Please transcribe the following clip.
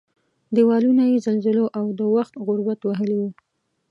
دېوالونه یې زلزلو او د وخت غربت وهلي وو.